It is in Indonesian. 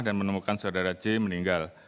menemukan saudara j meninggal